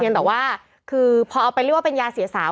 ยังแต่ว่าคือพอเอาไปเรียกว่าเป็นยาเสียสาว